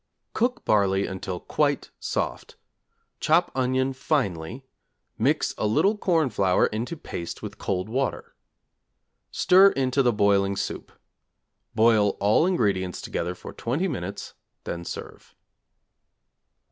Cook barley until quite soft; chop onion finely; mix a little corn flour into paste with cold water. Stir into the boiling soup. Boil all ingredients together for 20 minutes, then serve.